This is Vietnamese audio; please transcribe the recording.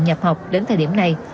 nhập học đến thời điểm này